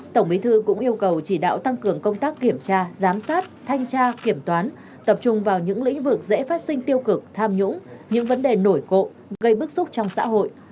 tổng bí thư cũng yêu cầu chỉ đạo tăng cường công tác kiểm tra giám sát thanh tra kiểm toán tập trung vào những lĩnh vực dễ phát sinh tiêu cực tham nhũng những vấn đề nổi cộ gây bức xúc trong xã hội